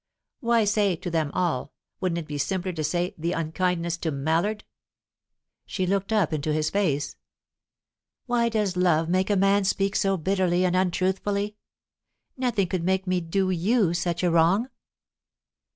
"Why say 'to them all'? Wouldn't it be simpler to say 'the unkindness to Mallard'?" She looked up into his face. "Why does love make a man speak so bitterly and untruthfully? Nothing could make me do you such a wrong."